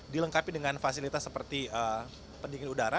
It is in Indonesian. dilengkapi dengan fasilitas seperti pendingin udara